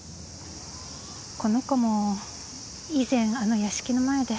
この子も以前あの屋敷の前で。